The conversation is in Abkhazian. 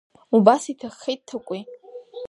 Убас иҭаххеит Ҭакәи.